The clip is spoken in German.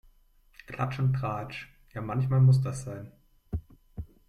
Klatsch und Tratsch - ja manchmal muss das sein.